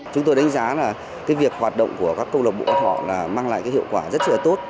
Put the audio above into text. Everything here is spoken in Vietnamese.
chúng tôi đánh giá là việc hoạt động của các câu lạc bộ mang lại hiệu quả rất là tốt